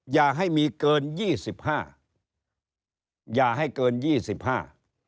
อย่าให้มีเกินยี่สิบห้าอย่าให้เกินยี่สิบห้า